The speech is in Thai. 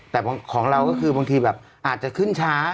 แต่ของเราก็คือบางทีแบบอาจจะขึ้นช้า